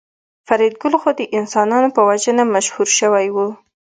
فریدګل خو د انسانانو په وژنه مشهور شوی و